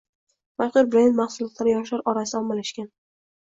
Mashhur brend mahsulotlari yoshlar orasida ommalashgan